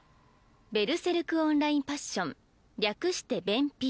「ベルセルク・オンライン・パッション」略して「ベンＰ」。